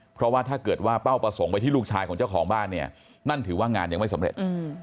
เพราะว่าถ้าเกิดว่าเป้าประสงค์ไปที่ลูกชายของเจ้าของบ้านเนี่ยนั่นถือว่างานยังไม่สำเร็จ